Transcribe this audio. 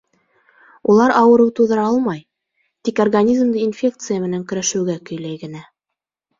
Улар ауырыу тыуҙыра алмай, тик организмды инфекция менән көрәшеүгә көйләй генә.